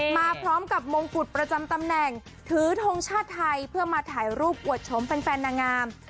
มาพร้อมกับมงกุฎประจำตำแหน่งถือทงชาติไทยเพื่อมาถ่ายรูปอวดชมแฟนนางงาม